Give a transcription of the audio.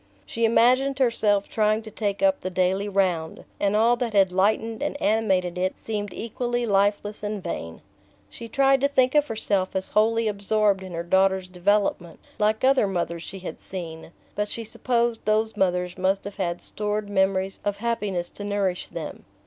She imagined herself trying to take up the daily round, and all that had lightened and animated it seemed equally lifeless and vain. She tried to think of herself as wholly absorbed in her daughter's development, like other mothers she had seen; but she supposed those mothers must have had stored memories of happiness to nourish them.